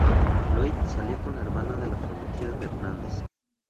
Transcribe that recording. Lloyd salía con la hermana de la prometida de Hernandez.